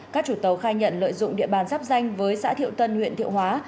các chủ tàu khai nhận lợi dụng địa bàn giáp danh với xã thiệu tân huyện thiệu hóa